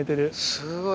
すごい。